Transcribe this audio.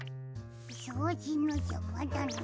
そうじのじゃまだなあ。